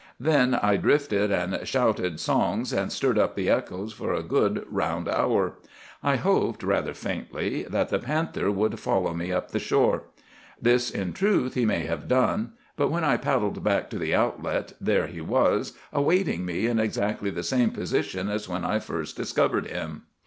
"Then I drifted and shouted songs and stirred up the echoes for a good round hour. I hoped, rather faintly, that the panther would follow me up the shore. This, in truth, he may have done; but when I paddled back to the outlet, there he was awaiting me in exactly the same position as when I first discovered him.